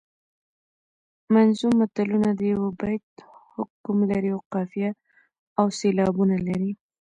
منظوم متلونه د یوه بیت حکم لري او قافیه او سیلابونه لري